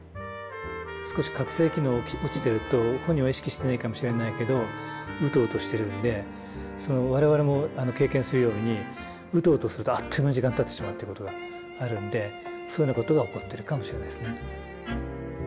少し覚醒機能が落ちてると本人は意識してないかもしれないけどウトウトしてるんで我々も経験するようにウトウトするとあっという間に時間たってしまうということがあるんでそのようなことが起こってるかもしれないですね。